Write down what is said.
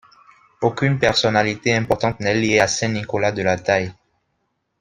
Aucune personnalité importante n'est liée à Saint-Nicolas-de-la-Taille.